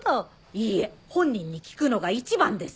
いいえ本人に聞くのが一番です